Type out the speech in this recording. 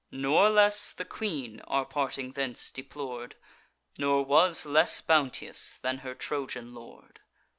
"Nor less the queen our parting thence deplor'd, Nor was less bounteous than her Trojan lord.